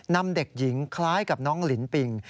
นำเด็กหญิงคล้ายกับน้องลินปิง